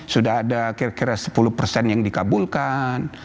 sudah ada kira kira sepuluh persen yang dikabulkan